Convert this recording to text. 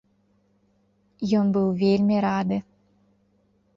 Ён быў вельмі рады.